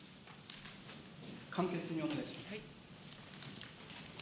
簡潔にお願いします。